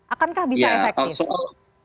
akankah bisa efektif